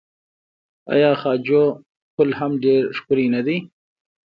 آیا خواجو پل هم ډیر ښکلی نه دی؟